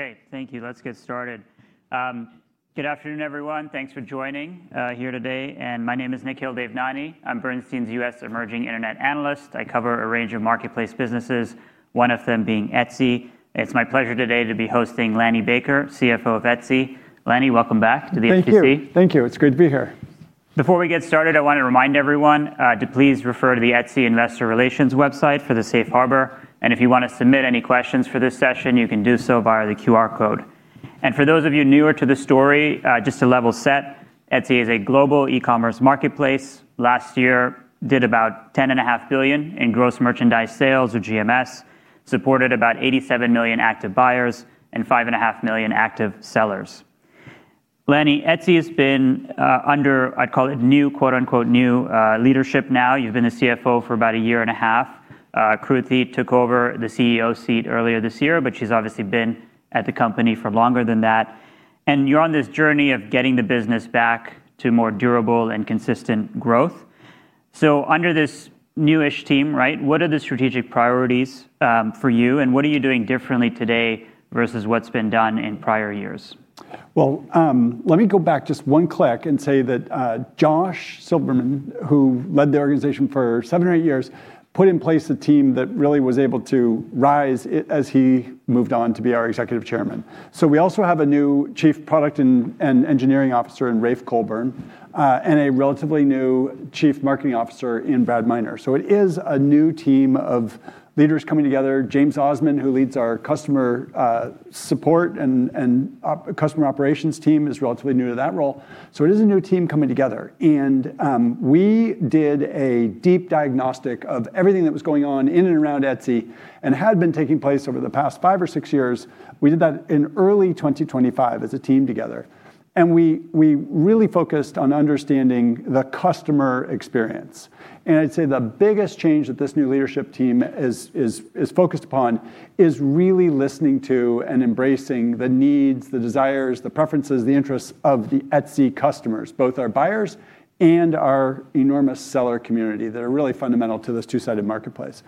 Okay, thank you. Let's get started. Good afternoon, everyone. Thanks for joining here today. My name is Nikhil Devnani. I'm Bernstein's U.S. Emerging Internet Analyst. I cover a range of marketplace businesses, one of them being Etsy. It's my pleasure today to be hosting Lanny Baker, CFO of Etsy. Lanny, welcome back to the BTC. Thank you. It's good to be here. Before we get started, I want to remind everyone to please refer to the Etsy investor relations website for the Safe Harbor. If you want to submit any questions for this session, you can do so via the QR code. For those of you newer to the story, just to level set, Etsy is a global e-commerce marketplace. Last year did about 10.5 billion in gross merchandise sales, or GMS, supported about 87 million active buyers, and 5.5 million active sellers. Lanny, Etsy has been under, I'd call it new, quote-unquote, "new", leadership now. You've been the CFO for about a year and a half. Kruti took over the CEO seat earlier this year, but she's obviously been at the company for longer than that. You're on this journey of getting the business back to more durable and consistent growth. Under this newish team, right, what are the strategic priorities for you, and what are you doing differently today versus what's been done in prior years? Let me go back just one click and say that Josh Silverman, who led the organization for seven or eight years, put in place a team that really was able to rise as he moved on to be our executive chairman. We also have a new Chief Product and Technology Officer in Rafe Colburn, and a relatively new Chief Marketing Officer in Brad Minor. It is a new team of leaders coming together. James Osman, who leads our customer support and customer operations team, is relatively new to that role. It is a new team coming together. We did a deep diagnostic of everything that was going on in and around Etsy and had been taking place over the past five or six years. We did that in early 2025 as a team together, and we really focused on understanding the customer experience. I'd say the biggest change that this new leadership team is focused upon is really listening to and embracing the needs, the desires, the preferences, the interests of the Etsy customers, both our buyers and our enormous seller community, that are really fundamental to this two-sided marketplace.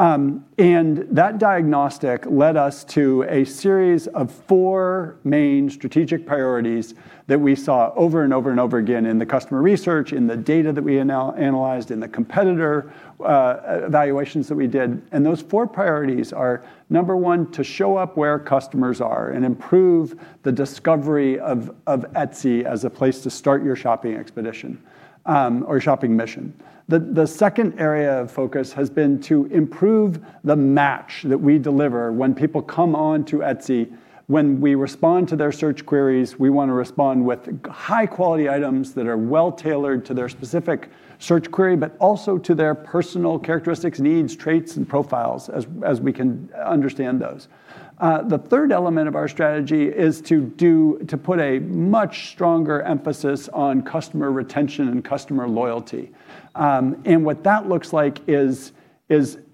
That diagnostic led us to a series of four main strategic priorities that we saw over and over and over again in the customer research, in the data that we analyzed, in the competitor evaluations that we did. Those four priorities are, number one, to show up where customers are and improve the discovery of Etsy as a place to start your shopping expedition or shopping mission. The second area of focus has been to improve the match that we deliver when people come onto Etsy. When we respond to their search queries, we want to respond with high-quality items that are well-tailored to their specific search query, but also to their personal characteristics, needs, traits, and profiles, as we can understand those. The third element of our strategy is to put a much stronger emphasis on customer retention and customer loyalty. What that looks like is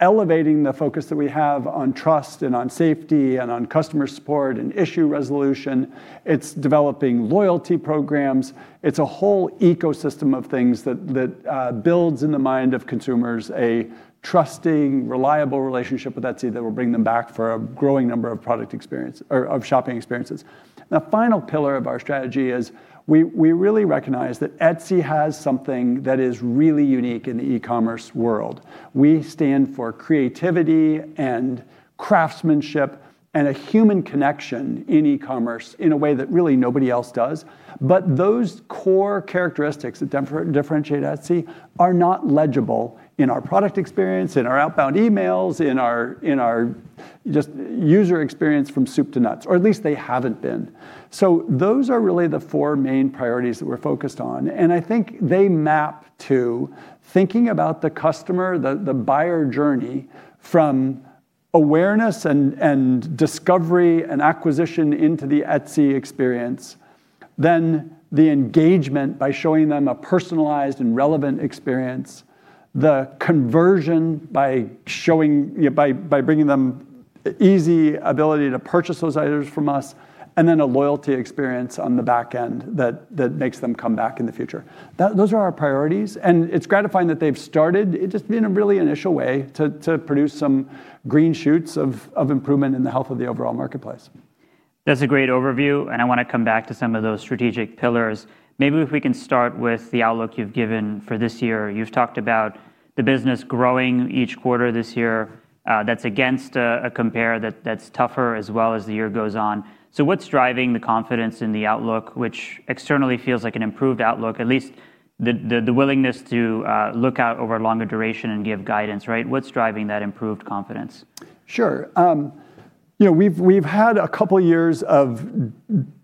elevating the focus that we have on trust and on safety, and on customer support and issue resolution. It's developing loyalty programs. It's a whole ecosystem of things that builds in the mind of consumers a trusting, reliable relationship with Etsy that will bring them back for a growing number of product experience or of shopping experiences. The final pillar of our strategy is we really recognize that Etsy has something that is really unique in the e-commerce world. We stand for creativity and craftsmanship and a human connection in e-commerce in a way that really nobody else does. Those core characteristics that differentiate Etsy are not legible in our product experience, in our outbound emails, in our just user experience from soup to nuts, or at least they haven't been. Those are really the four main priorities that we're focused on, and I think they map to thinking about the customer, the buyer journey from awareness and discovery and acquisition into the Etsy experience. The engagement by showing them a personalized and relevant experience, the conversion by bringing them easy ability to purchase those items from us, and then a loyalty experience on the back end that makes them come back in the future. Those are our priorities, and it's gratifying that they've started. It's just been a really initial way to produce some green shoots of improvement in the health of the overall marketplace. That's a great overview, and I want to come back to some of those strategic pillars. Maybe if we can start with the outlook you've given for this year. You've talked about the business growing each quarter this year. That's against a compare that's tougher as well as the year goes on. What's driving the confidence in the outlook, which externally feels like an improved outlook, at least, the willingness to look out over a longer duration and give guidance, right? What's driving that improved confidence? Sure. We've had a couple of years of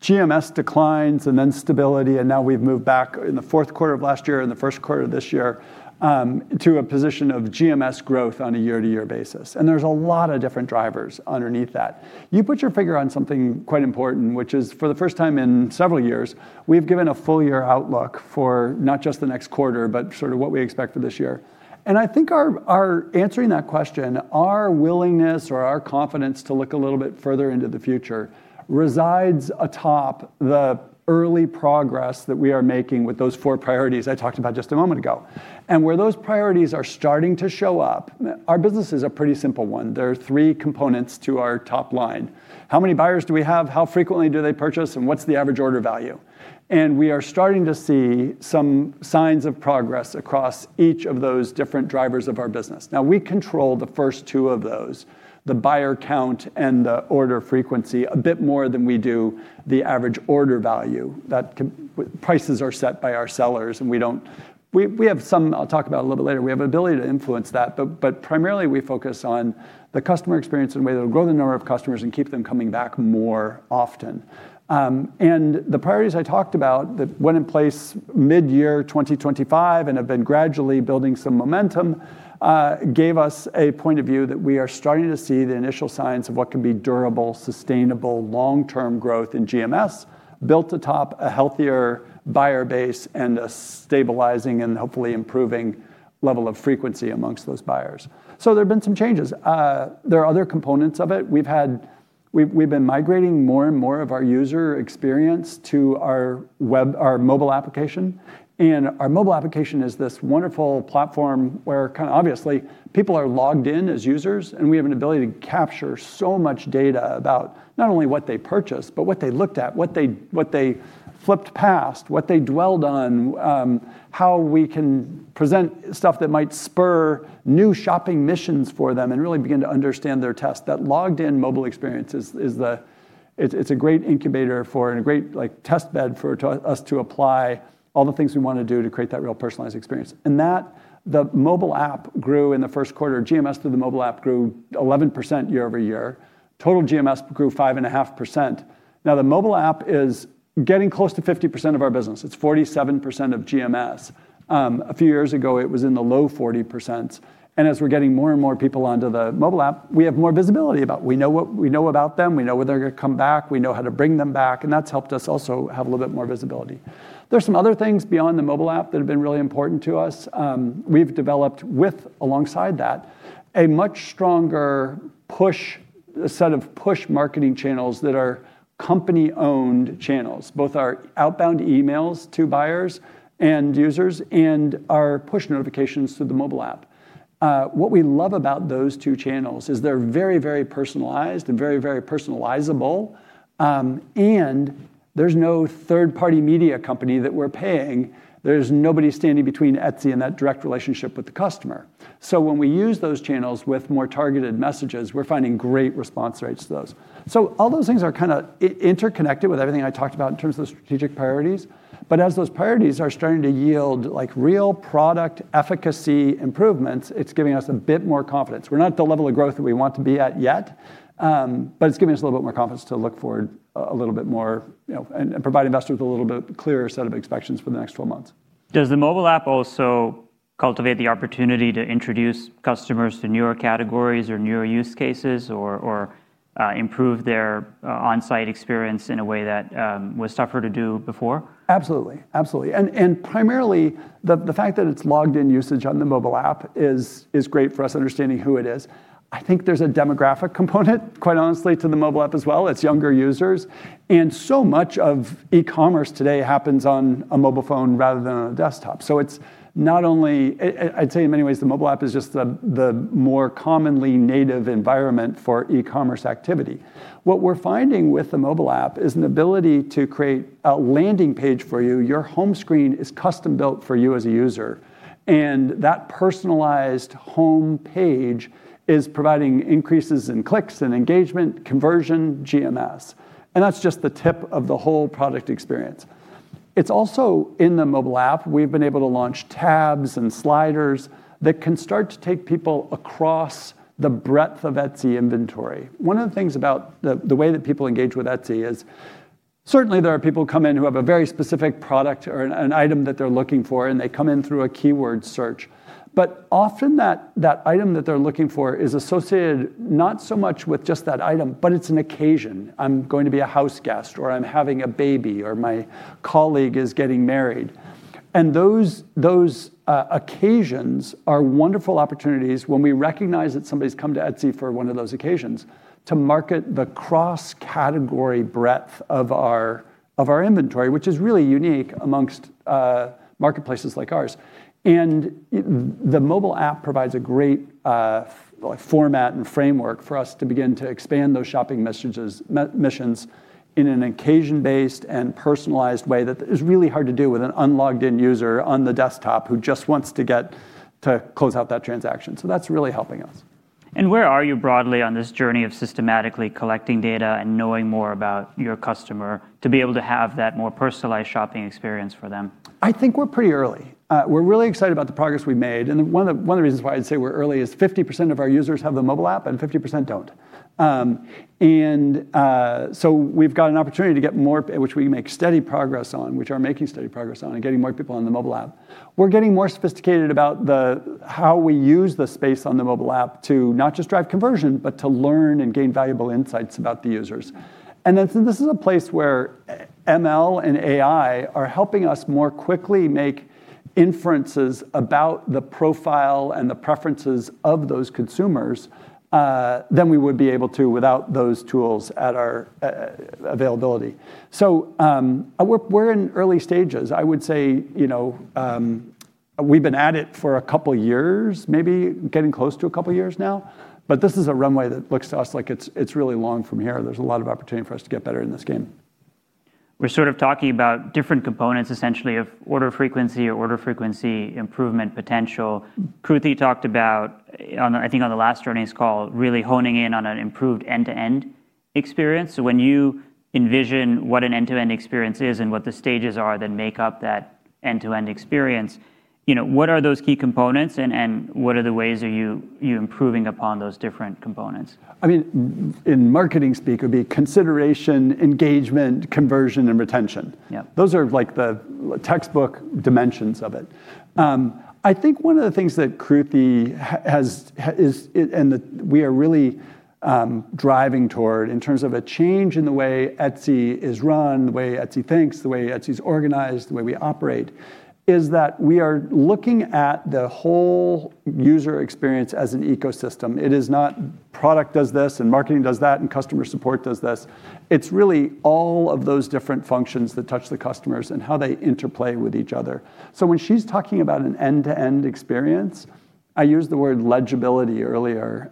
GMS declines and then stability, and now we've moved back in the fourth quarter of last year and the first quarter of this year, to a position of GMS growth on a year-to-year basis. There's a lot of different drivers underneath that. You put your finger on something quite important, which is, for the first time in several years, we've given a full year outlook for not just the next quarter, but sort of what we expect for this year. I think our answering that question, our willingness or our confidence to look a little bit further into the future resides atop the early progress that we are making with those four priorities I talked about just a moment ago. Where those priorities are starting to show up, our business is a pretty simple one. There are three components to our top line. How many buyers do we have? How frequently do they purchase? What's the average order value? We are starting to see some signs of progress across each of those different drivers of our business. Now, we control the first two of those, the buyer count and the order frequency, a bit more than we do the average order value. Prices are set by our sellers, and we have some I'll talk about a little bit later. We have ability to influence that. Primarily, we focus on the customer experience in a way that'll grow the number of customers and keep them coming back more often. The priorities I talked about that went in place mid-year 2025 and have been gradually building some momentum, gave us a point of view that we are starting to see the initial signs of what can be durable, sustainable, long-term growth in GMS, built atop a healthier buyer base and a stabilizing and hopefully improving level of frequency amongst those buyers. There's been some changes. There are other components of it. We've been migrating more and more of our user experience to our mobile application. Our mobile application is this wonderful platform where kind of obviously people are logged in as users, and we have an ability to capture so much data about not only what they purchased, but what they looked at, what they flipped past, what they dwelled on, how we can present stuff that might spur new shopping missions for them and really begin to understand their taste. That logged in mobile experience, it's a great incubator for and a great test bed for us to apply all the things we want to do to create that real personalized experience. The mobile app grew in the first quarter. GMS through the mobile app grew 11% year-over-year. Total GMS grew 5.5%. Now, the mobile app is getting close to 50% of our business. It's 47% of GMS. A few years ago, it was in the low 40%. As we're getting more and more people onto the mobile app, we have more visibility about. We know about them. We know when they're going to come back. We know how to bring them back, and that's helped us also have a little bit more visibility. There's some other things beyond the mobile app that have been really important to us. We've developed with, alongside that, a much stronger set of push marketing channels that are company-owned channels, both our outbound emails to buyers and users, and our push notifications to the mobile app. What we love about those two channels is they're very, very personalized and very, very personalizable, and there's no third-party media company that we're paying. There's nobody standing between Etsy and that direct relationship with the customer. When we use those channels with more targeted messages, we're finding great response rates to those. All those things are kind of interconnected with everything I talked about in terms of strategic priorities. As those priorities are starting to yield real product efficacy improvements, it's giving us a bit more confidence. We're not at the level of growth that we want to be at yet, but it's giving us a little bit more confidence to look forward a little bit more, and provide investors with a little bit clearer set of expectations for the next 12 months. Does the mobile app also cultivate the opportunity to introduce customers to newer categories or newer use cases or improve their on-site experience in a way that was tougher to do before? Absolutely. Absolutely. Primarily, the fact that it's logged in usage on the mobile app is great for us understanding who it is. I think there's a demographic component, quite honestly, to the mobile app as well. It's younger users. So much of e-commerce today happens on a mobile phone rather than on a desktop. I'd say in many ways, the mobile app is just the more commonly native environment for e-commerce activity. What we're finding with the mobile app is an ability to create a landing page for you. Your home screen is custom-built for you as a user, and that personalized home page is providing increases in clicks and engagement, conversion, GMS. That's just the tip of the whole product experience. It's also in the mobile app, we've been able to launch tabs and sliders that can start to take people across the breadth of Etsy inventory. One of the things about the way that people engage with Etsy is certainly there are people who come in who have a very specific product or an item that they're looking for, and they come in through a keyword search. But often that item that they're looking for is associated not so much with just that item, but it's an occasion. I'm going to be a house guest, or I'm having a baby, or my colleague is getting married. And those occasions are wonderful opportunities when we recognize that somebody's come to Etsy for one of those occasions to market the cross-category breadth of our inventory, which is really unique amongst marketplaces like ours. The mobile app provides a great format and framework for us to begin to expand those shopping missions in an occasion-based and personalized way that is really hard to do with an unlogged in user on the desktop who just wants to close out that transaction. That's really helping us. Where are you broadly on this journey of systematically collecting data and knowing more about your customer to be able to have that more personalized shopping experience for them? I think we're pretty early. We're really excited about the progress we've made, one of the reasons why I'd say we're early is 50% of our users have the mobile app and 50% don't. We've got an opportunity to get more, which we can make steady progress on, which are making steady progress on in getting more people on the mobile app. We're getting more sophisticated about how we use the space on the mobile app to not just drive conversion, but to learn and gain valuable insights about the users. This is a place where ML and AI are helping us more quickly make inferences about the profile and the preferences of those consumers, than we would be able to without those tools at our availability. We're in early stages. I would say, we've been at it for a couple of years, maybe, getting close to a couple of years now. This is a runway that looks to us like it's really long from here. There's a lot of opportunity for us to get better in this game. We're sort of talking about different components, essentially, of order frequency or order frequency improvement potential. Kruti talked about, I think on the last earnings call, really honing in on an improved end-to-end experience. When you envision what an end-to-end experience is and what the stages are that make up that end-to-end experience, what are those key components and what are the ways are you improving upon those different components? In marketing speak, it would be consideration, engagement, conversion, and retention. Yeah. Those are the textbook dimensions of it. I think one of the things that Kruti has, and that we are really driving toward in terms of a change in the way Etsy is run, the way Etsy thinks, the way Etsy's organized, the way we operate, is that we are looking at the whole user experience as an ecosystem. It is not product does this and marketing does that, and customer support does this. It's really all of those different functions that touch the customers and how they interplay with each other. When she's talking about an end-to-end experience, I used the word legibility earlier,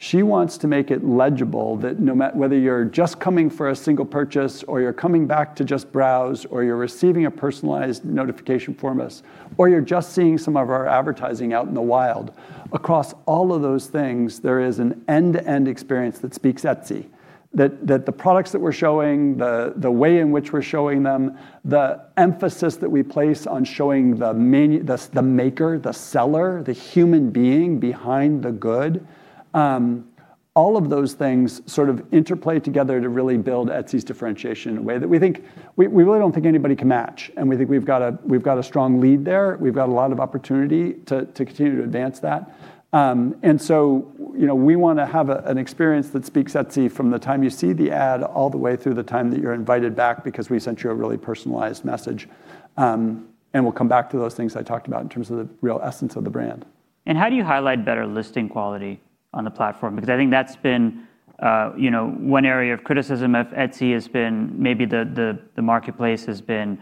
she wants to make it legible that whether you're just coming for a single purchase or you're coming back to just browse, or you're receiving a personalized notification from us, or you're just seeing some of our advertising out in the wild, across all of those things, there is an end-to-end experience that speaks Etsy. The products that we're showing, the way in which we're showing them, the emphasis that we place on showing the maker, the seller, the human being behind the good, all of those things sort of interplay together to really build Etsy's differentiation in a way that we really don't think anybody can match. We think we've got a strong lead there. We've got a lot of opportunity to continue to advance that. We want to have an experience that speaks Etsy from the time you see the ad all the way through the time that you're invited back because we sent you a really personalized message. We'll come back to those things I talked about in terms of the real essence of the brand. How do you highlight better listing quality on the platform? Because I think that's been one area of criticism of Etsy has been maybe the marketplace has been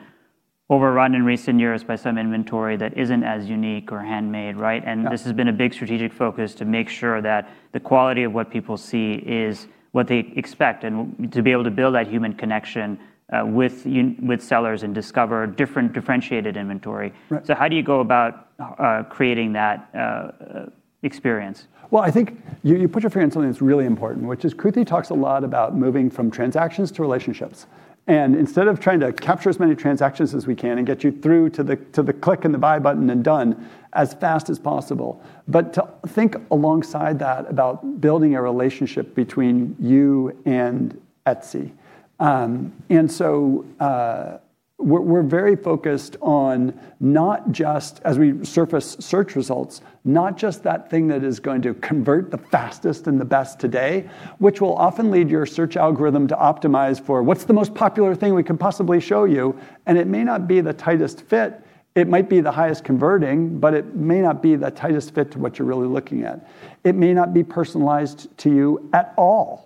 overrun in recent years by some inventory that isn't as unique or handmade, right? Yeah. This has been a big strategic focus to make sure that the quality of what people see is what they expect, and to be able to build that human connection, with sellers and discover differentiated inventory. Right. How do you go about creating that experience? Well, I think you put your finger on something that's really important, which is Kruti talks a lot about moving from transactions to relationships. Instead of trying to capture as many transactions as we can and get you through to the click and the buy button and done as fast as possible, but to think alongside that about building a relationship between you and Etsy. We're very focused on not just as we surface search results, not just that thing that is going to convert the fastest and the best today, which will often lead your search algorithm to optimize for what's the most popular thing we can possibly show you, and it may not be the tightest fit. It might be the highest converting, but it may not be the tightest fit to what you're really looking at. It may not be personalized to you at all.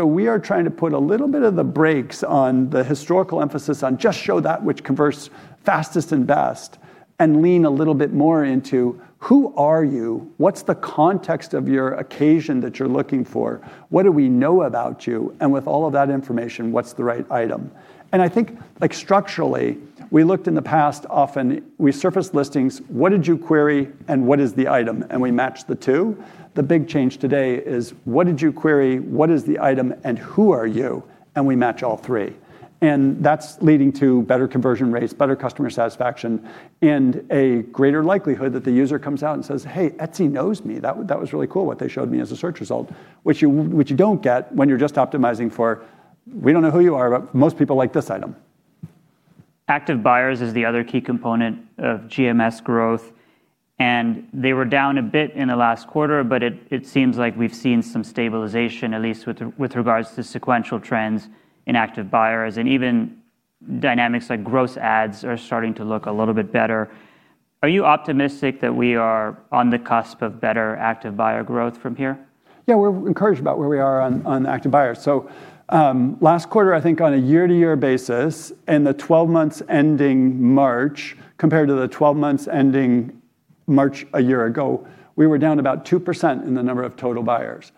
We are trying to put a little bit of the brakes on the historical emphasis on just show that which converts fastest and best, and lean a little bit more into who are you? What's the context of your occasion that you're looking for? What do we know about you? With all of that information, what's the right item? I think structurally, we looked in the past, often we surfaced listings, what did you query and what is the item? We matched the two. The big change today is what did you query, what is the item, and who are you? We match all three. That's leading to better conversion rates, better customer satisfaction, and a greater likelihood that the user comes out and says, "Hey, Etsy knows me. That was really cool what they showed me as a search result. Which you don't get when you're just optimizing for, we don't know who you are, but most people like this item. Active buyers is the other key component of GMS growth. They were down a bit in the last quarter. It seems like we've seen some stabilization, at least with regards to sequential trends in active buyers and even dynamics like gross adds are starting to look a little bit better. Are you optimistic that we are on the cusp of better active buyer growth from here? Yeah, we're encouraged about where we are on active buyers. Last quarter, I think on a year-over-year basis, in the 12 months ending March, compared to the 12 months ending March a year ago, we were down about 2% in the number of total buyers.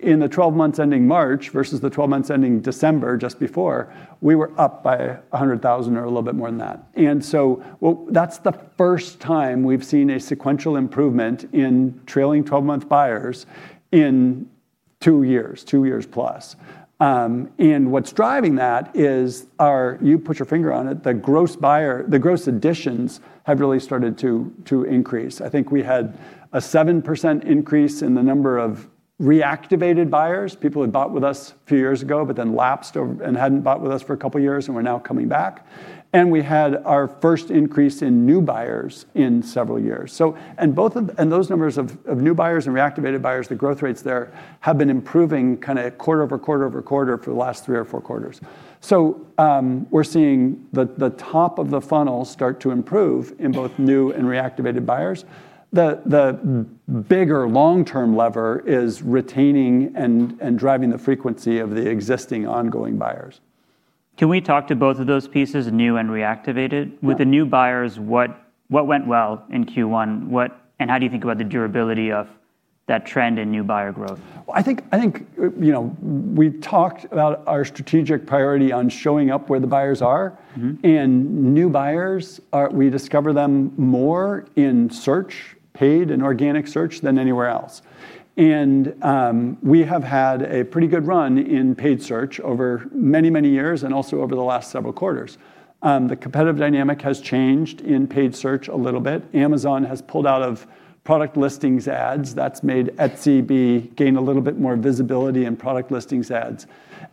In the 12 months ending March versus the 12 months ending December just before, we were up by 100,000 or a little bit more than that. That's the first time we've seen a sequential improvement in trailing 12-month buyers in two years plus. What's driving that is our, you put your finger on it, the gross additions have really started to increase. I think we had a 7% increase in the number of reactivated buyers, people who had bought with us a few years ago, but then lapsed and hadn't bought with us for a couple of years and were now coming back. We had our first increase in new buyers in several years. Those numbers of new buyers and reactivated buyers, the growth rates there, have been improving kind of quarter-over-quarter-over-quarter for the last three or four quarters. We're seeing the top of the funnel start to improve in both new and reactivated buyers. The bigger long-term lever is retaining and driving the frequency of the existing ongoing buyers. Can we talk to both of those pieces, new and reactivated? Yeah. With the new buyers, what went well in Q1? How do you think about the durability of that trend in new buyer growth? I think we've talked about our strategic priority on showing up where the buyers are. New buyers, we discover them more in search, paid and organic search, than anywhere else. We have had a pretty good run in paid search over many, many years and also over the last several quarters. The competitive dynamic has changed in paid search a little bit. Amazon has pulled out of Product Listing Ads. That's made Etsy gain a little bit more visibility in Product Listing Ads.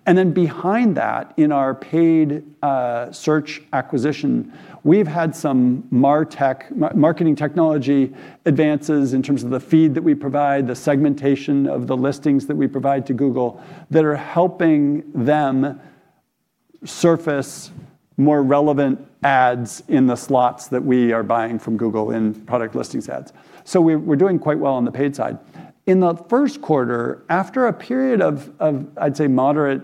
Then behind that, in our paid search acquisition, we've had some martech, marketing technology advances in terms of the feed that we provide, the segmentation of the listings that we provide to Google, that are helping them surface more relevant ads in the slots that we are buying from Google in Product Listing Ads. We're doing quite well on the paid side. In the first quarter, after a period of, I'd say, moderate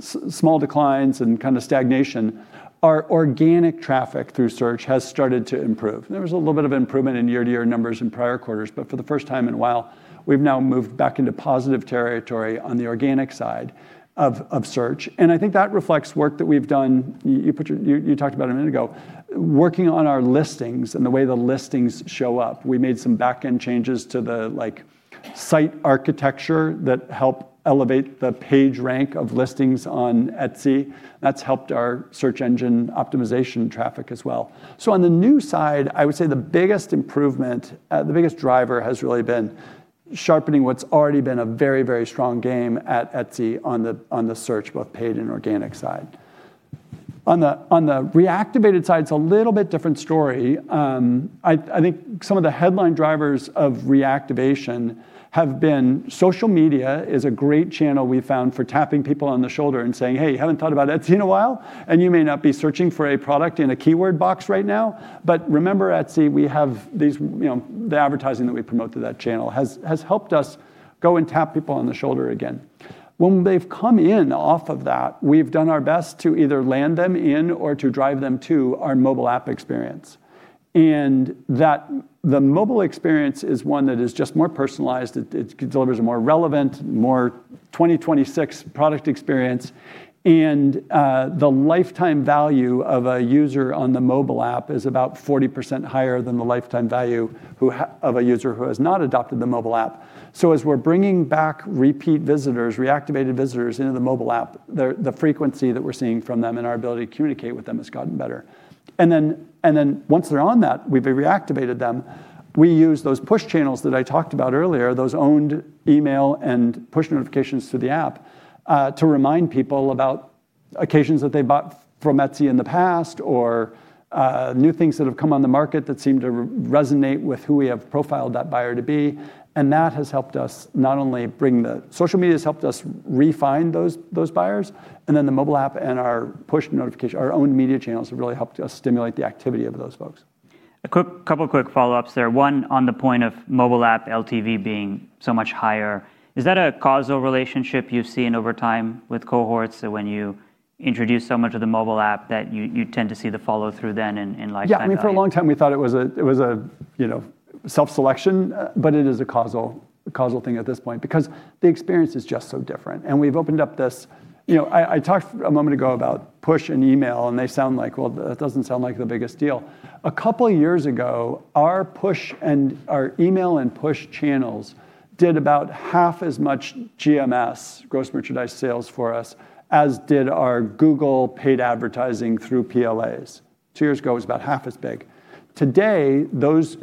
small declines and kind of stagnation, our organic traffic through search has started to improve. There was a little bit of improvement in year-to-year numbers in prior quarters, for the first time in a while, we've now moved back into positive territory on the organic side of search. I think that reflects work that we've done, you talked about a minute ago, working on our listings and the way the listings show up. We made some back-end changes to the site architecture that help elevate the page rank of listings on Etsy. That's helped our search engine optimization traffic as well. On the new side, I would say the biggest improvement, the biggest driver, has really been sharpening what's already been a very, very strong game at Etsy on the search, both paid and organic side. On the reactivated side, it's a little bit different story. I think some of the headline drivers of reactivation have been social media is a great channel we've found for tapping people on the shoulder and saying, "Hey, you haven't thought about Etsy in a while, and you may not be searching for a product in a keyword box right now, but remember Etsy." The advertising that we promote through that channel has helped us go and tap people on the shoulder again. When they've come in off of that, we've done our best to either land them in or to drive them to our mobile app experience. The mobile experience is one that is just more personalized. It delivers a more relevant, more 2026 product experience. The lifetime value of a user on the mobile app is about 40% higher than the lifetime value of a user who has not adopted the mobile app. As we're bringing back repeat visitors, reactivated visitors into the mobile app, the frequency that we're seeing from them and our ability to communicate with them has gotten better. Once they're on that, we've reactivated them. We use those push channels that I talked about earlier, those owned email and push notifications through the app, to remind people about occasions that they bought from Etsy in the past or new things that have come on the market that seem to resonate with who we have profiled that buyer to be. That has helped us, not only social media's helped us refine those buyers, and then the mobile app and our push notification, our own media channels have really helped us stimulate the activity of those folks. A couple quick follow-ups there. One on the point of mobile app LTV being so much higher. Is that a causal relationship you've seen over time with cohorts when you introduce so much of the mobile app that you tend to see the follow-through then in lifetime value? Yeah, I mean, for a long time we thought it was a self-selection, but it is a causal thing at this point because the experience is just so different. We've opened up this. I talked a moment ago about push and email, and they sound like, well, that doesn't sound like the biggest deal. A couple of years ago, our email and push channels did about half as much GMS, gross merchandise sales, for us, as did our Google paid advertising through PLAs. Two years ago, it was about half as big. Today, those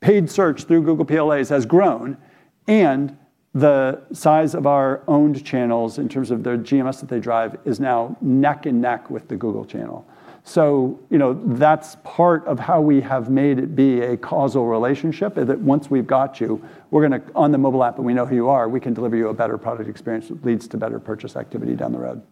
paid search through Google PLAs has grown. The size of our owned channels in terms of their GMS that they drive is now neck and neck with the Google channel. That's part of how we have made it be a causal relationship, that once we've got you on the mobile app and we know who you are, we can deliver you a better product experience that leads to better purchase activity down the road.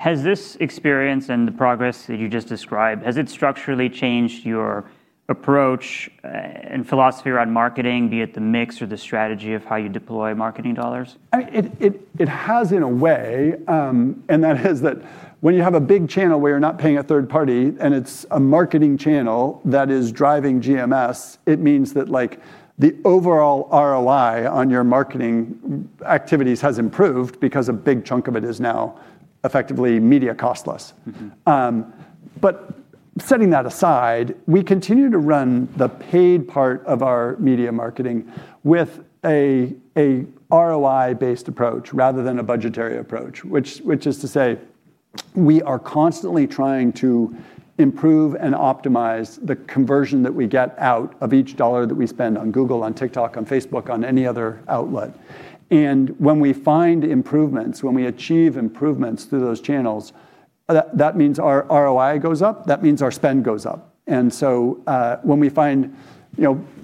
Has this experience and the progress that you just described, has it structurally changed your approach and philosophy around marketing, be it the mix or the strategy of how you deploy marketing dollars? It has in a way, and that is that when you have a big channel where you're not paying a third party, and it's a marketing channel that is driving GMS, it means that the overall ROI on your marketing activities has improved because a big chunk of it is now effectively media costless. Setting that aside, we continue to run the paid part of our media marketing with a ROI-based approach rather than a budgetary approach, which is to say we are constantly trying to improve and optimize the conversion that we get out of each dollar that we spend on Google, on TikTok, on Facebook, on any other outlet. When we find improvements, when we achieve improvements through those channels, that means our ROI goes up. That means our spend goes up. When we find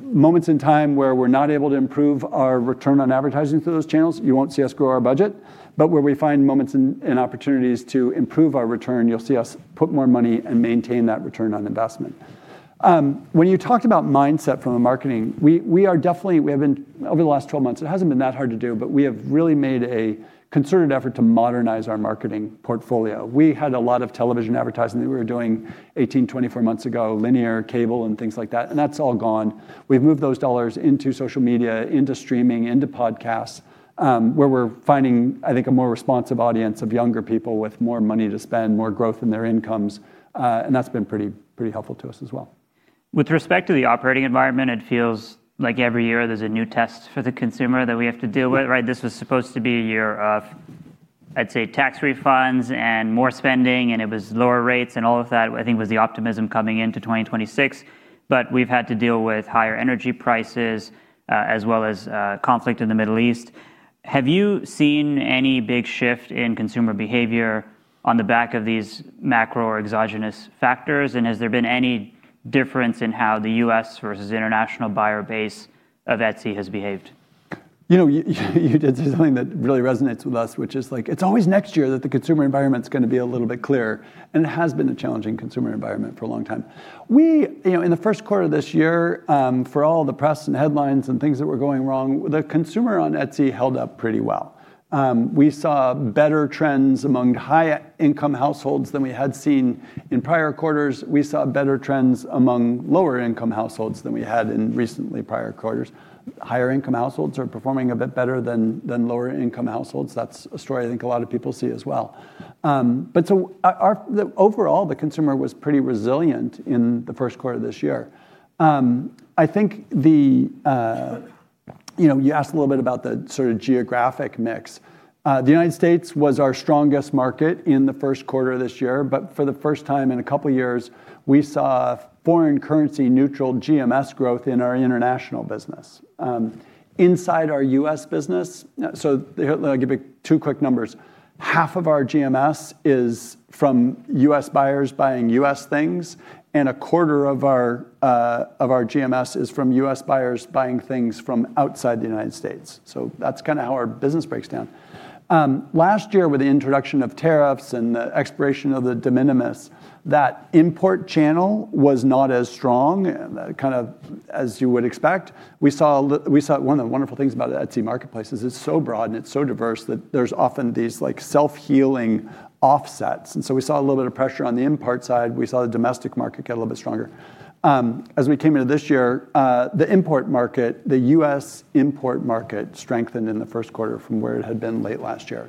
moments in time where we're not able to improve our return on advertising through those channels, you won't see us grow our budget. Where we find moments and opportunities to improve our return, you'll see us put more money and maintain that return on investment. When you talked about mindset from a marketing, we have been, over the last 12 months, it hasn't been that hard to do, but we have really made a concerted effort to modernize our marketing portfolio. We had a lot of television advertising that we were doing 18, 24 months ago, linear cable and things like that, and that's all gone. We've moved those dollars into social media, into streaming, into podcasts, where we're finding, I think, a more responsive audience of younger people with more money to spend, more growth in their incomes. That's been pretty helpful to us as well. With respect to the operating environment, it feels like every year there's a new test for the consumer that we have to deal with, right? This was supposed to be a year of, I'd say, tax refunds and more spending, and it was lower rates, and all of that, I think, was the optimism coming into 2026. We've had to deal with higher energy prices, as well as conflict in the Middle East. Have you seen any big shift in consumer behavior on the back of these macro or exogenous factors? Has there been any difference in how the U.S. versus international buyer base of Etsy has behaved? You did something that really resonates with us, which is like, it's always next year that the consumer environment's going to be a little bit clearer, and it has been a challenging consumer environment for a long time. In the first quarter of this year, for all the press and headlines and things that were going wrong, the consumer on Etsy held up pretty well. We saw better trends among higher income households than we had seen in prior quarters. We saw better trends among lower income households than we had in recently prior quarters. Higher income households are performing a bit better than lower income households. That's a story I think a lot of people see as well. Overall, the consumer was pretty resilient in the first quarter of this year. You asked a little bit about the sort of geographic mix. The United States was our strongest market in the first quarter of this year. For the first time in a couple of years, we saw foreign currency neutral GMS growth in our international business. Inside our U.S. business, I'll give you two quick numbers. Half of our GMS is from U.S. buyers buying U.S. things, and a quarter of our GMS is from U.S. buyers buying things from outside the United States. That's kind of how our business breaks down. Last year, with the introduction of tariffs and the expiration of the de minimis, that import channel was not as strong, kind of as you would expect. One of the wonderful things about the Etsy marketplace is it's so broad and it's so diverse that there's often these self-healing offsets. We saw a little bit of pressure on the import side. We saw the domestic market get a little bit stronger. As we came into this year, the import market, the U.S. import market strengthened in the first quarter from where it had been late last year.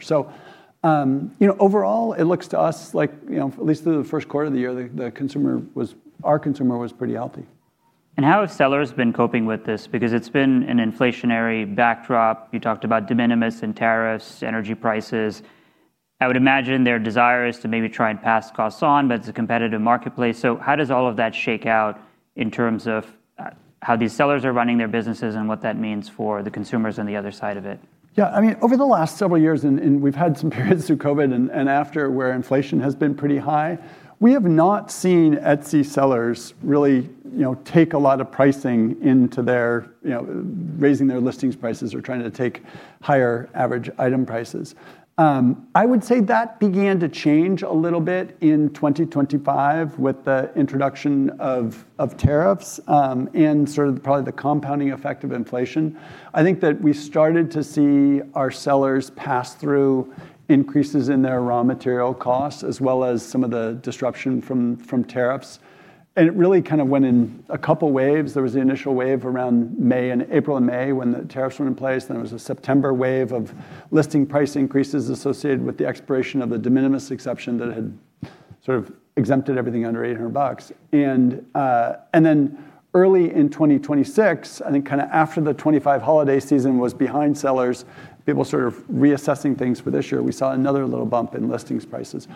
Overall it looks to us like, at least through the first quarter of the year, our consumer was pretty healthy. How have sellers been coping with this? Because it's been an inflationary backdrop. You talked about de minimis and tariffs, energy prices. I would imagine their desire is to maybe try and pass costs on, but it's a competitive marketplace. How does all of that shake out in terms of how these sellers are running their businesses and what that means for the consumers on the other side of it? Yeah. Over the last several years, and we've had some periods through COVID and after where inflation has been pretty high, we have not seen Etsy sellers really take a lot of pricing into raising their listings prices or trying to take higher average item prices. I would say that began to change a little bit in 2025 with the introduction of tariffs, and sort of probably the compounding effect of inflation. I think that we started to see our sellers pass through increases in their raw material costs as well as some of the disruption from tariffs. It really kind of went in a couple waves. There was the initial wave around April and May when the tariffs went in place. There was a September wave of listing price increases associated with the expiration of the de minimis exception that had sort of exempted everything under $800. Early in 2026, I think kind of after the 2025 holiday season was behind sellers, people sort of reassessing things for this year, we saw another little bump in listings prices.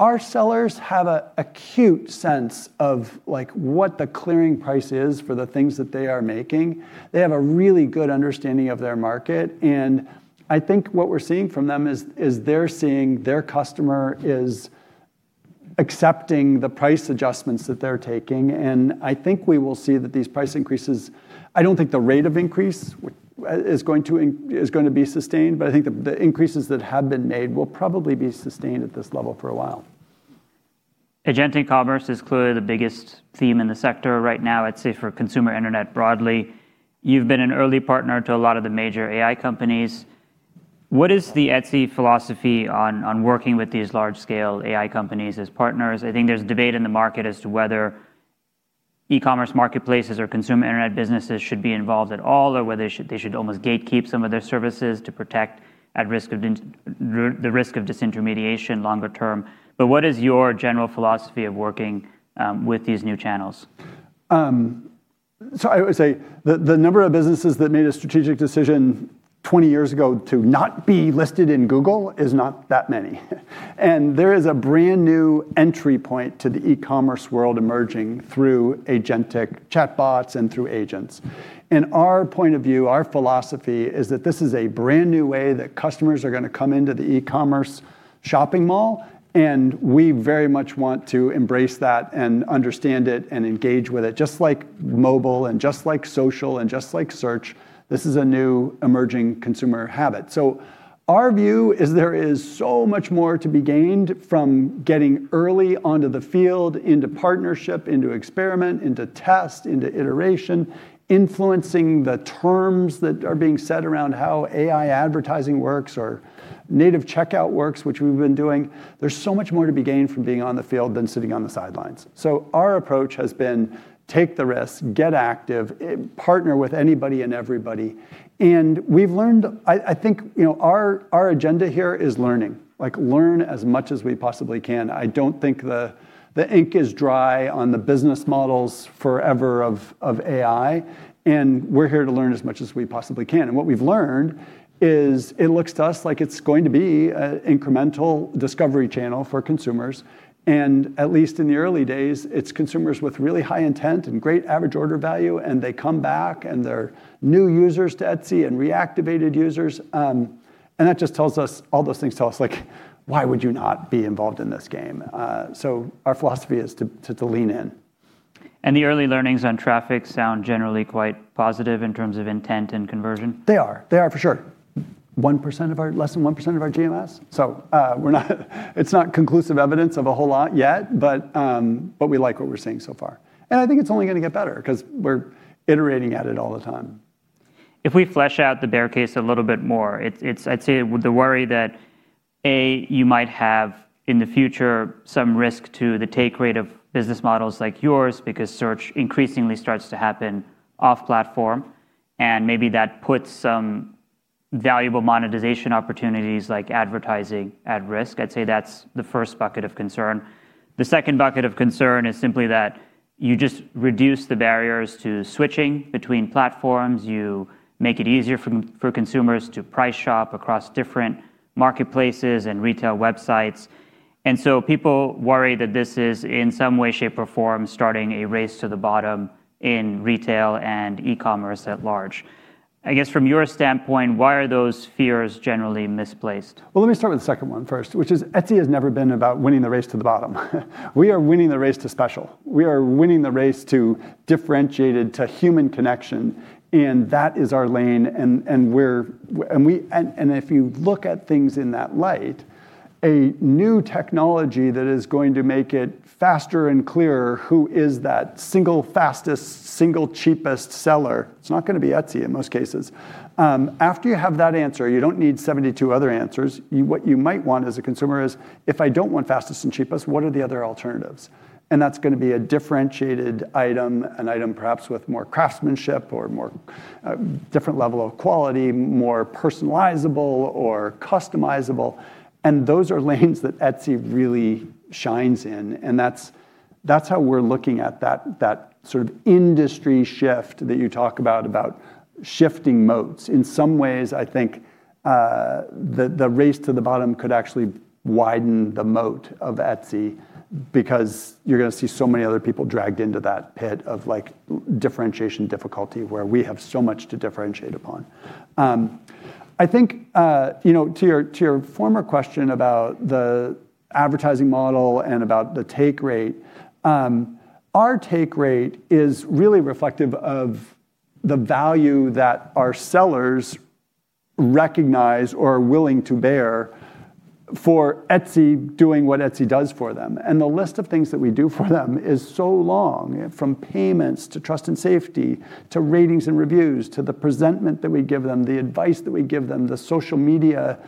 Our sellers have an acute sense of what the clearing price is for the things that they are making. They have a really good understanding of their market. I think what we're seeing from them is they're seeing their customer is accepting the price adjustments that they're taking. I think we will see that these price increases. I don't think the rate of increase is going to be sustained. I think the increases that have been made will probably be sustained at this level for a while. Agentic commerce is clearly the biggest theme in the sector right now, I'd say, for consumer internet broadly. You've been an early partner to a lot of the major AI companies. What is the Etsy philosophy on working with these large-scale AI companies as partners? I think there's debate in the market as to whether E-commerce marketplaces or consumer internet businesses should be involved at all, or whether they should almost gatekeep some of their services to protect the risk of disintermediation longer term. What is your general philosophy of working with these new channels? I would say the number of businesses that made a strategic decision 20 years ago to not be listed in Google is not that many. There is a brand new entry point to the e-commerce world emerging through agentic chatbots and through agents. Our point of view, our philosophy, is that this is a brand new way that customers are going to come into the e-commerce shopping mall, and we very much want to embrace that and understand it and engage with it. Just like mobile and just like social and just like search, this is a new emerging consumer habit. Our view is there is so much more to be gained from getting early onto the field, into partnership, into experiment, into test, into iteration, influencing the terms that are being set around how AI advertising works or native checkout works, which we've been doing. There's so much more to be gained from being on the field than sitting on the sidelines. Our approach has been take the risk, get active, partner with anybody and everybody. I think our agenda here is learning. Learn as much as we possibly can. I don't think the ink is dry on the business models forever of AI, and we're here to learn as much as we possibly can. What we've learned is it looks to us like it's going to be an incremental discovery channel for consumers, and at least in the early days, it's consumers with really high intent and great average order value, and they come back, and they're new users to Etsy and reactivated users. All those things tell us, why would you not be involved in this game? Our philosophy is to lean in. The early learnings on traffic sound generally quite positive in terms of intent and conversion? They are for sure. Less than 1% of our GMS. It's not conclusive evidence of a whole lot yet, but we like what we're seeing so far. I think it's only going to get better because we're iterating at it all the time. If we flesh out the bear case a little bit more, I'd say the worry that, A, you might have, in the future, some risk to the take rate of business models like yours because search increasingly starts to happen off-platform, and maybe that puts some valuable monetization opportunities like advertising at risk. I'd say that's the first bucket of concern. The second bucket of concern is simply that you just reduce the barriers to switching between platforms. You make it easier for consumers to price shop across different marketplaces and retail websites. People worry that this is, in some way, shape, or form, starting a race to the bottom in retail and e-commerce at large. I guess from your standpoint, why are those fears generally misplaced? Well, let me start with the second one first, which is Etsy has never been about winning the race to the bottom. We are winning the race to special. We are winning the race to differentiated, to human connection, and that is our lane. If you look at things in that light, a new technology that is going to make it faster and clearer who is that single fastest, single cheapest seller, it's not going to be Etsy in most cases. After you have that answer, you don't need 72 other answers. What you might want as a consumer is, if I don't want fastest and cheapest, what are the other alternatives? That's going to be a differentiated item, an item perhaps with more craftsmanship or a different level of quality, more personalizable or customizable, and those are lanes that Etsy really shines in. That's how we're looking at that sort of industry shift that you talk about shifting moats. In some ways, I think the race to the bottom could actually widen the moat of Etsy because you're going to see so many other people dragged into that pit of differentiation difficulty, where we have so much to differentiate upon. I think to your former question about the advertising model and about the take rate, our take rate is really reflective of the value that our sellers recognize or are willing to bear for Etsy doing what Etsy does for them. The list of things that we do for them is so long, from payments to trust and safety to ratings and reviews to the presentment that we give them, the advice that we give them, the social media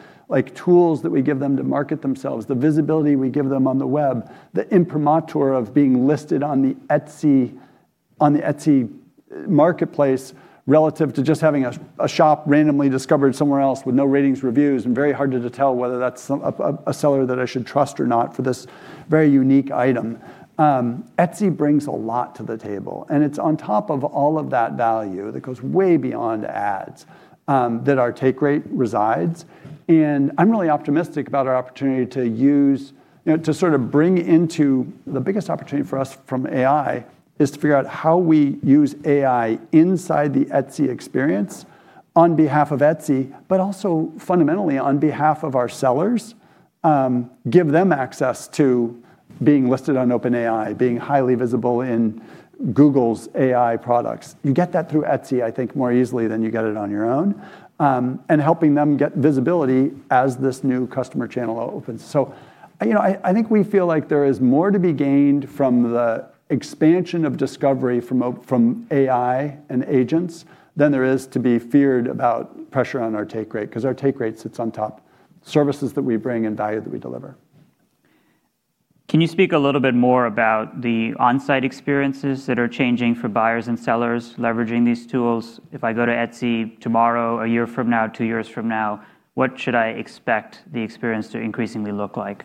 tools that we give them to market themselves, the visibility we give them on the web, the imprimatur of being listed on the Etsy marketplace relative to just having a shop randomly discovered somewhere else with no ratings, reviews, and very hard to tell whether that's a seller that I should trust or not for this very unique item. Etsy brings a lot to the table, and it's on top of all of that value that goes way beyond ads that our take rate resides. I'm really optimistic about our opportunity. The biggest opportunity for us from AI is to figure out how we use AI inside the Etsy experience on behalf of Etsy, but also fundamentally on behalf of our sellers. Give them access to being listed on OpenAI, being highly visible in Google's AI products. You get that through Etsy, I think, more easily than you get it on your own, and helping them get visibility as this new customer channel opens. I think we feel like there is more to be gained from the expansion of discovery from AI and agents than there is to be feared about pressure on our take rate, because our take rate sits on top of services that we bring and value that we deliver. Can you speak a little bit more about the onsite experiences that are changing for buyers and sellers leveraging these tools? If I go to Etsy tomorrow, a year from now, two years from now, what should I expect the experience to increasingly look like?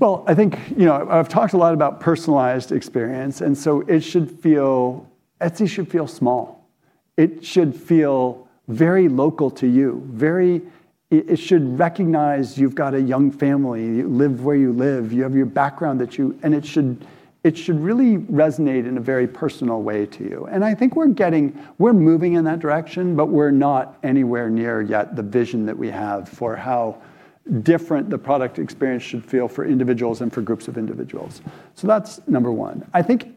I think I've talked a lot about personalized experience. Etsy should feel small. It should feel very local to you. It should recognize you've got a young family, you live where you live, you have your background, and it should really resonate in a very personal way to you. I think we're moving in that direction. We're not anywhere near yet the vision that we have for how different the product experience should feel for individuals and for groups of individuals. That's number one. I think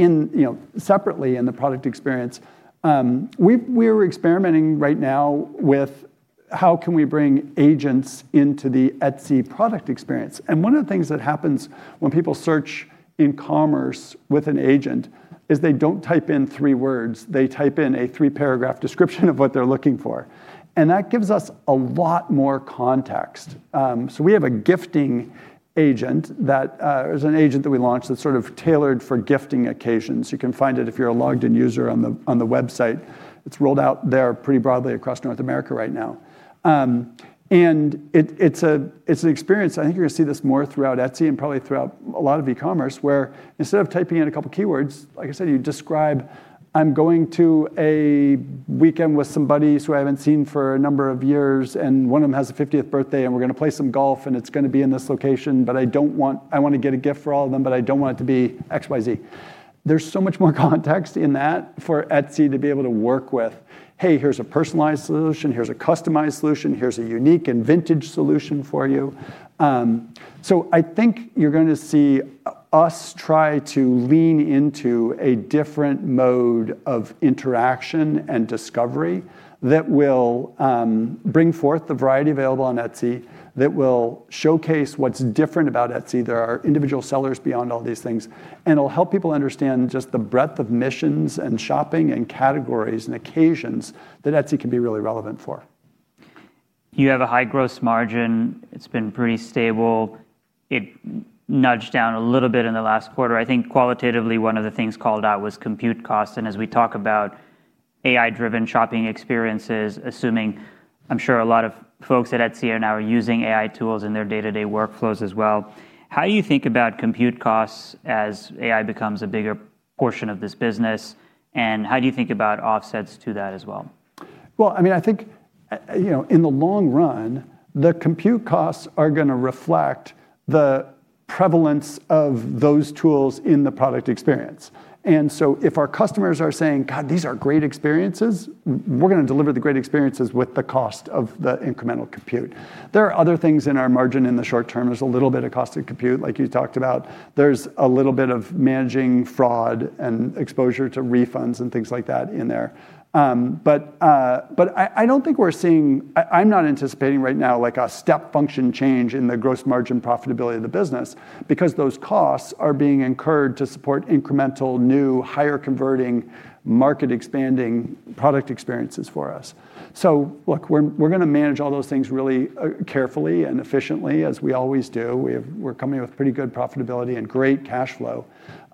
separately in the product experience, we're experimenting right now with how can we bring agents into the Etsy product experience. One of the things that happens when people search in commerce with an agent is they don't type in three words. They type in a three-paragraph description of what they're looking for. That gives us a lot more context. We have a gifting agent, it was an agent that we launched that's sort of tailored for gifting occasions. You can find it if you're a logged-in user on the website. It's rolled out there pretty broadly across North America right now. It's an experience, I think you're going to see this more throughout Etsy and probably throughout a lot of e-commerce, where instead of typing in a couple key words, like I said, you describe, "I'm going to a weekend with some buddies who I haven't seen for a number of years, and one of them has a 50th birthday, and we're going to play some golf, and it's going to be in this location. I want to get a gift for all of them, but I don't want it to be XYZ." There's so much more context in that for Etsy to be able to work with, "Hey, here's a personalized solution, here's a customized solution, here's a unique and vintage solution for you." I think you're going to see us try to lean into a different mode of interaction and discovery that will bring forth the variety available on Etsy, that will showcase what's different about Etsy. There are individual sellers beyond all these things, and it'll help people understand just the breadth of missions and shopping and categories and occasions that Etsy can be really relevant for. You have a high gross margin. It's been pretty stable. It nudged down a little bit in the last quarter. I think qualitatively, one of the things called out was compute cost, and as we talk about AI-driven shopping experiences, assuming, I'm sure a lot of folks at Etsy are now using AI tools in their day-to-day workflows as well. How do you think about compute costs as AI becomes a bigger portion of this business, and how do you think about offsets to that as well? Well, I think, in the long run, the compute costs are going to reflect the prevalence of those tools in the product experience. If our customers are saying, "God, these are great experiences," we're going to deliver the great experiences with the cost of the incremental compute. There are other things in our margin in the short term. There's a little bit of cost to compute, like you talked about. There's a little bit of managing fraud and exposure to refunds and things like that in there. I'm not anticipating right now, like a step function change in the gross margin profitability of the business because those costs are being incurred to support incremental, new, higher converting, market expanding product experiences for us. Look, we're going to manage all those things really carefully and efficiently as we always do. We're coming with pretty good profitability and great cash flow.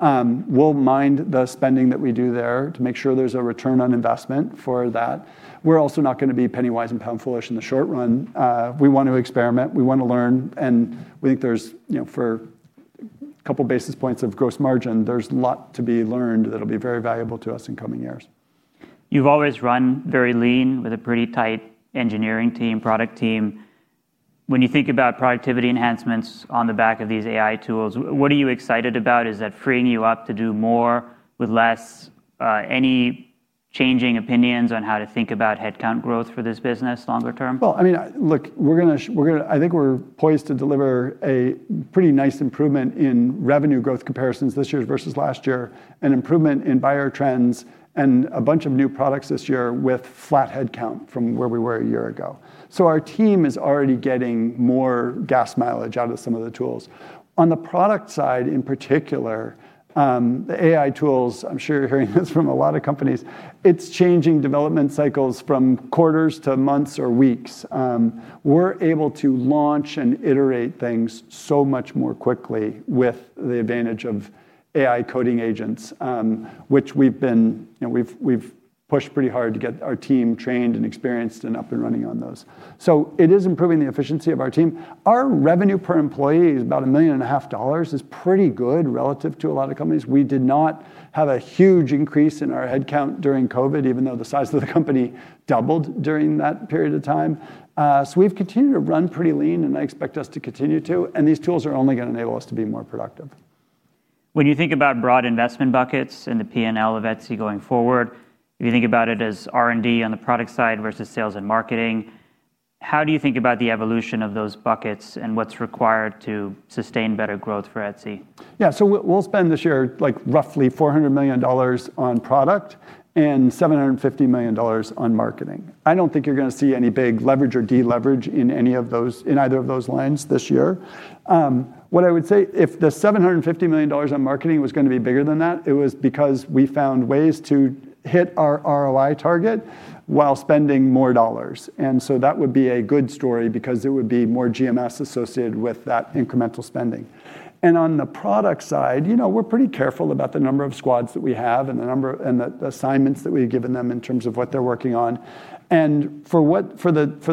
We'll mind the spending that we do there to make sure there's a return on investment for that. We're also not going to be penny-wise and pound-foolish in the short run. We want to experiment, we want to learn, we think for a couple basis points of gross margin, there's a lot to be learned that'll be very valuable to us in coming years. You've always run very lean with a pretty tight engineering team, product team. When you think about productivity enhancements on the back of these AI tools, what are you excited about? Is that freeing you up to do more with less? Any changing opinions on how to think about headcount growth for this business longer term? Well, look, I think we're poised to deliver a pretty nice improvement in revenue growth comparisons this year versus last year, an improvement in buyer trends, and a bunch of new products this year with flat headcount from where we were a year ago. Our team is already getting more gas mileage out of some of the tools. On the product side in particular, the AI tools, I'm sure you're hearing this from a lot of companies, it's changing development cycles from quarters to months or weeks. We're able to launch and iterate things so much more quickly with the advantage of AI coding agents, which we've pushed pretty hard to get our team trained and experienced and up and running on those. It is improving the efficiency of our team. Our revenue per employee is about a million and a half dollars, is pretty good relative to a lot of companies. We did not have a huge increase in our headcount during COVID, even though the size of the company doubled during that period of time. We've continued to run pretty lean, and I expect us to continue to, and these tools are only going to enable us to be more productive. When you think about broad investment buckets in the P&L of Etsy going forward, if you think about it as R&D on the product side versus sales and marketing, how do you think about the evolution of those buckets and what's required to sustain better growth for Etsy? Yeah. We'll spend this year like roughly $400 million on product and $750 million on marketing. I don't think you're going to see any big leverage or de-leverage in either of those lines this year. What I would say, if the $750 million on marketing was going to be bigger than that, it was because we found ways to hit our ROI target while spending more dollars. That would be a good story because it would be more GMS associated with that incremental spending. On the product side, we're pretty careful about the number of squads that we have and the assignments that we've given them in terms of what they're working on. For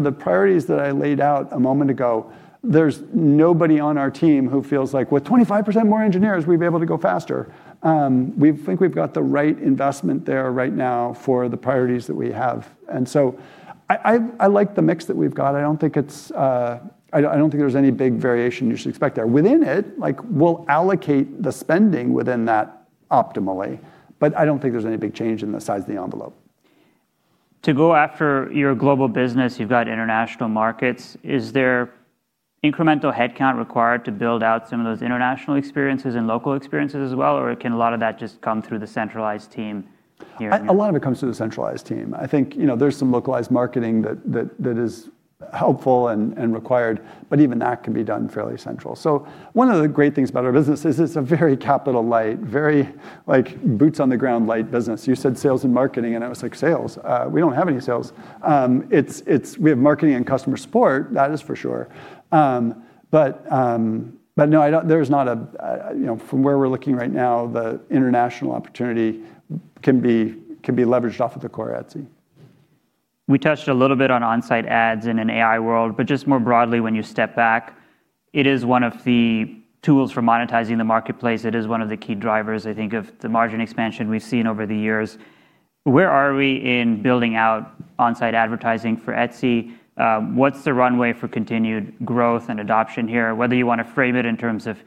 the priorities that I laid out a moment ago, there's nobody on our team who feels like with 25% more engineers, we'd be able to go faster. We think we've got the right investment there right now for the priorities that we have. I like the mix that we've got. I don't think there's any big variation you should expect there. Within it, we'll allocate the spending within that optimally, but I don't think there's any big change in the size of the envelope. To go after your global business, you've got international markets. Is there incremental headcount required to build out some of those international experiences and local experiences as well, or can a lot of that just come through the centralized team here? A lot of it comes through the centralized team. I think, there's some localized marketing that is helpful and required, but even that can be done fairly central. One of the great things about our business is it's a very capital light, very like boots on the ground light business. You said sales and marketing, and I was like, "Sales? We don't have any sales." We have marketing and customer support, that is for sure. No, from where we're looking right now, the international opportunity can be leveraged off of the core Etsy. We touched a little bit on onsite ads in an AI world, but just more broadly, when you step back, it is one of the tools for monetizing the marketplace. It is one of the key drivers, I think, of the margin expansion we've seen over the years. Where are we in building out onsite advertising for Etsy? What's the runway for continued growth and adoption here, whether you want to frame it in terms of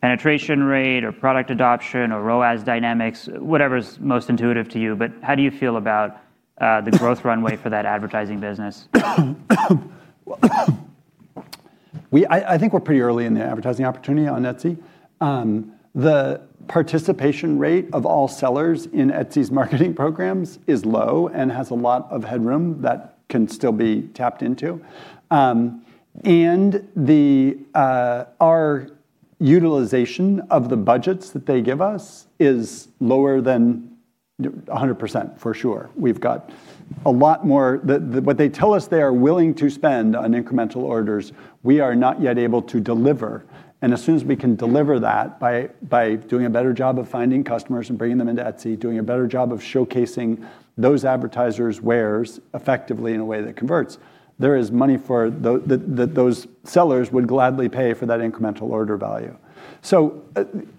penetration rate or product adoption or ROAS dynamics, whatever's most intuitive to you, but how do you feel about the growth runway for that advertising business? I think we're pretty early in the advertising opportunity on Etsy. The participation rate of all sellers in Etsy's marketing programs is low and has a lot of headroom that can still be tapped into. Our utilization of the budgets that they give us is lower than 100%, for sure. What they tell us they are willing to spend on incremental orders, we are not yet able to deliver. As soon as we can deliver that by doing a better job of finding customers and bringing them into Etsy, doing a better job of showcasing those advertisers' wares effectively in a way that converts, there is money that those sellers would gladly pay for that incremental order value.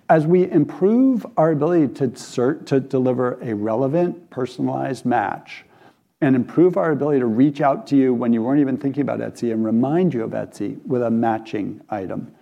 As we improve our ability to deliver a relevant, personalized match and improve our ability to reach out to you when you weren't even thinking about Etsy and remind you of Etsy with a matching item,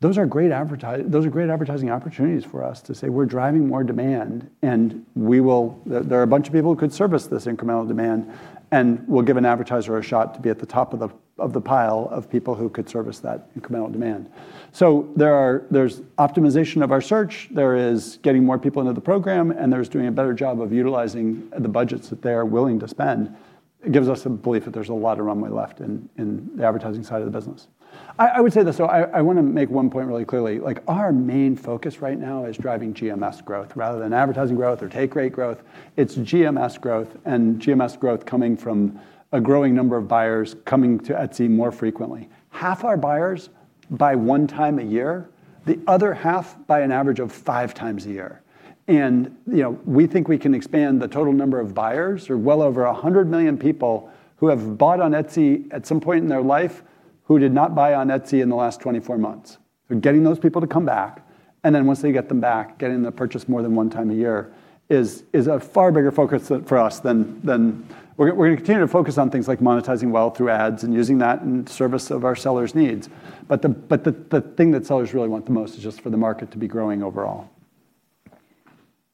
those are great advertising opportunities for us to say we're driving more demand and there are a bunch of people who could service this incremental demand, and we'll give an advertiser a shot to be at the top of the pile of people who could service that incremental demand. There's optimization of our search, there is getting more people into the program, and there's doing a better job of utilizing the budgets that they are willing to spend. It gives us a belief that there's a lot of runway left in the advertising side of the business. I would say this, though. I want to make one point really clearly. Our main focus right now is driving GMS growth rather than advertising growth or take rate growth. It's GMS growth, and GMS growth coming from a growing number of buyers coming to Etsy more frequently. Half our buyers buy one time a year, the other half buy an average of five times a year. We think we can expand the total number of buyers. There are well over 100 million people who have bought on Etsy at some point in their life, who did not buy on Etsy in the last 24 months. Getting those people to come back, and then once they get them back, getting them to purchase more than one time a year is a far bigger focus for us. We're going to continue to focus on things like monetizing well through ads and using that in service of our sellers' needs. The thing that sellers really want the most is just for the market to be growing overall.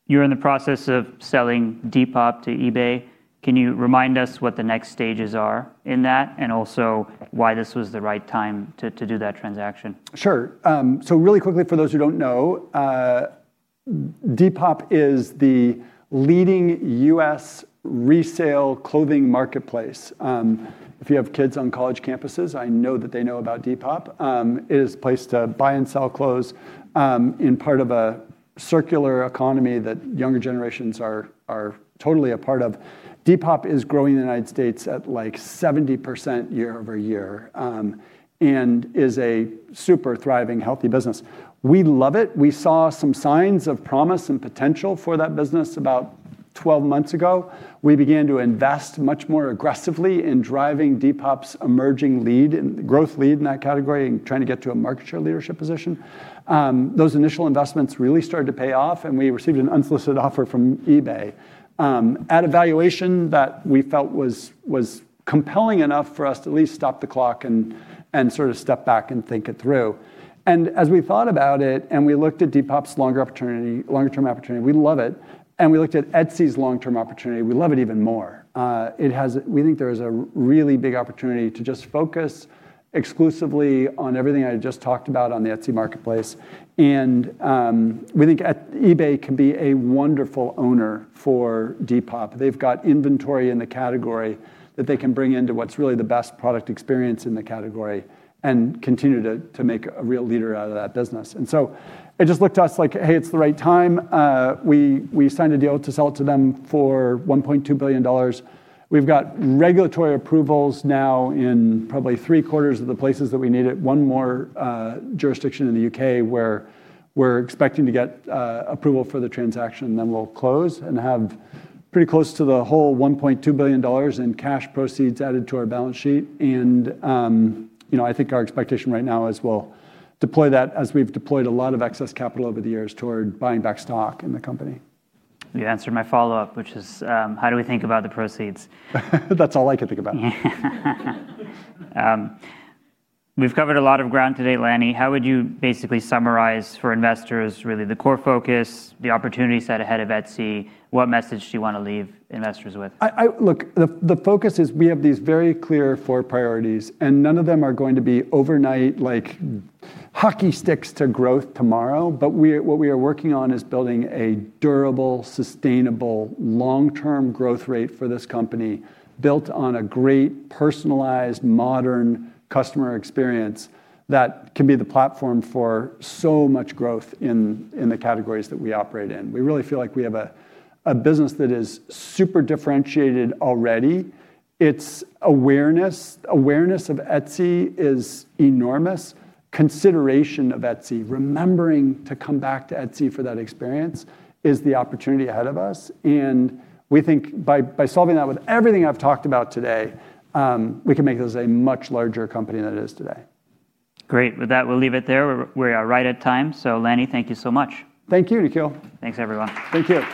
You're in the process of selling Depop to eBay. Can you remind us what the next stages are in that, and also why this was the right time to do that transaction? Really quickly for those who don't know, Depop is the leading U.S. resale clothing marketplace. If you have kids on college campuses, I know that they know about Depop. It is a place to buy and sell clothes, in part of a circular economy that younger generations are totally a part of. Depop is growing in the United States at like 70% year over year, and is a super thriving, healthy business. We love it. We saw some signs of promise and potential for that business about 12 months ago, we began to invest much more aggressively in driving Depop's emerging growth lead in that category and trying to get to a market share leadership position. Those initial investments really started to pay off. We received an unsolicited offer from eBay, at a valuation that we felt was compelling enough for us to at least stop the clock and sort of step back and think it through. As we thought about it, and we looked at Depop's longer term opportunity, we love it, and we looked at Etsy's long-term opportunity, we love it even more. We think there is a really big opportunity to just focus exclusively on everything I just talked about on the Etsy marketplace, and we think eBay can be a wonderful owner for Depop. They've got inventory in the category that they can bring into what's really the best product experience in the category and continue to make a real leader out of that business. It just looked to us like, hey, it's the right time. We signed a deal to sell it to them for $1.2 billion. We've got regulatory approvals now in probably three-quarters of the places that we need it. One more jurisdiction in the U.K., where we're expecting to get approval for the transaction, then we'll close and have pretty close to the whole $1.2 billion in cash proceeds added to our balance sheet. I think our expectation right now is we'll deploy that as we've deployed a lot of excess capital over the years toward buying back stock in the company. You answered my follow-up, which is, how do we think about the proceeds? That's all I could think about. We've covered a lot of ground today, Lanny. How would you basically summarize for investors, really the core focus, the opportunity set ahead of Etsy? What message do you want to leave investors with? The focus is we have these very clear four priorities, and none of them are going to be overnight, like hockey sticks to growth tomorrow. What we are working on is building a durable, sustainable, long-term growth rate for this company, built on a great personalized, modern customer experience that can be the platform for so much growth in the categories that we operate in. We really feel like we have a business that is super differentiated already. Its awareness of Etsy is enormous. Consideration of Etsy, remembering to come back to Etsy for that experience is the opportunity ahead of us, and we think by solving that with everything I've talked about today, we can make this a much larger company than it is today. Great. With that, we'll leave it there. We are right at time. Lanny, thank you so much. Thank you, Nikhil. Thanks, everyone. Thank you.